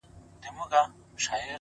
د حقیقت منل عقل ته ځواک ورکوي؛